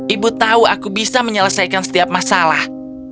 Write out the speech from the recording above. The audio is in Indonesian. ibu tahu aku bisa menyelesaikan setiap masalah